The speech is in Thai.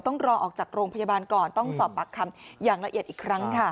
ต้องรอออกจากโรงพยาบาลก่อนต้องสอบปากคำอย่างละเอียดอีกครั้งค่ะ